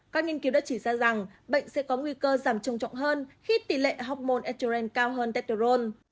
các nghiên cứu đã chỉ ra rằng bệnh sẽ có nguy cơ giảm trông trọng hơn khi tỉ lệ học môn estrogen cao hơn teterone